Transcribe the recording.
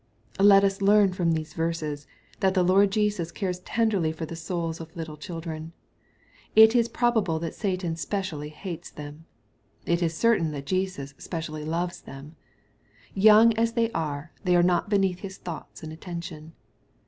Let us learn from these verses, that the Lord Jesus cares tenderly for the souls of little children. It is pro bable that Satan specially hates them. It is certain that Jesus specially loves them. Young as they are, they are not beneath his thoughts, and attention.